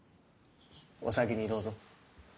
お先にどーぞ。